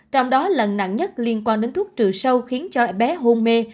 trong đó lần nặng nhất liên quan đến thuốc trừ sâu khiến cho em bé hôn mê